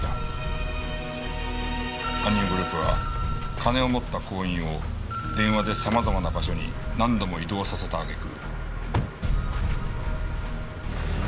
犯人グループは金を持った行員を電話で様々な場所に何度も移動させたあげく。